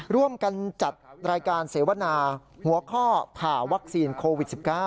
ร่วมกันจัดรายการเสวนาหัวข้อผ่าวัคซีนโควิด๑๙